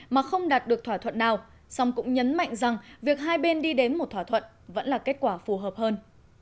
mà không đạt được thỏa thuận nào song cũng nhấn mạnh rằng việc hai bên đi đến một thỏa thuận vẫn là kết quả phù hợp hơn